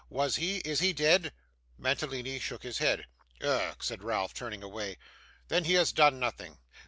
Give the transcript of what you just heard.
'Was he? Is he dead?' Mantalini shook his head. 'Ugh,' said Ralph, turning away. 'Then he has done nothing.